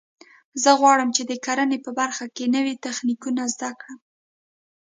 زه غواړم چې د کرنې په برخه کې نوي تخنیکونه زده کړم